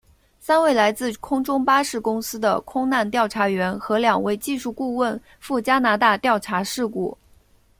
三位来自空中巴士公司的空难调查员和两位技术顾问赴加拿大调查事故。